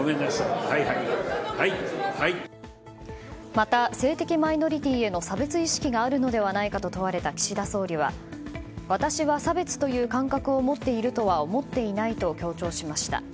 また、性的マイノリティーへの差別意識があるのではないかと問われた岸田総理は私は差別という感覚を持っているとは思っていないと強調しました。